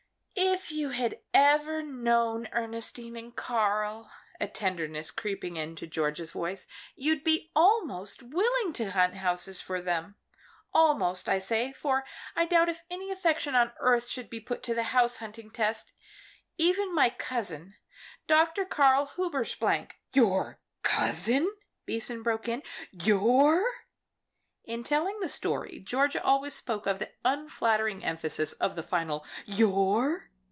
"If you had ever known Ernestine and Karl," a tenderness creeping into Georgia's voice "you'd be almost willing to hunt houses for them. Almost, I say for I doubt if any affection on earth should be put to the house hunting test. Even my cousin Dr. Karl Hubers " "Your cousin?" Beason broke in. "Your ?" in telling the story Georgia always spoke of the unflattering emphasis on the final your.